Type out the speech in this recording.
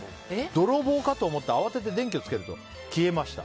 泥棒かと思って慌てて電気をつけると消えました。